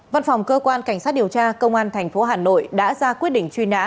văn phòng cơ quan cảnh sát điều tra công an tp hà nội đã ra quyết định truy nã